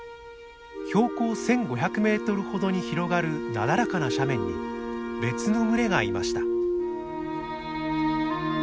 標高１，５００メートルほどに広がるなだらかな斜面に別の群れがいました。